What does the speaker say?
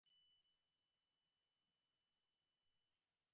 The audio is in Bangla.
গোরা কহিল, মা, তোমার যুক্তিটা ভালো বোঝা গেল না।